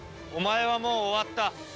お前はもう終わった。